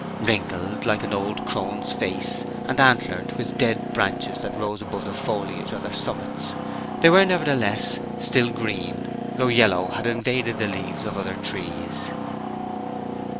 Wrinkled like an old crone's face, and antlered with dead branches that rose above the foliage of their summits, they were nevertheless still green—though yellow had invaded the leaves of other trees.